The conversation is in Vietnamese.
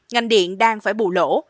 ngành điện đang phải bù lỗ